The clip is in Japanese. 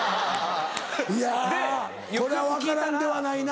いやこれは分からんではないな。